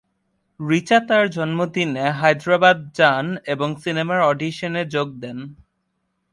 রিচা তার জন্মদিনে হায়দ্রাবাদ যান এবং সিনেমার অডিশনে যোগ দেন।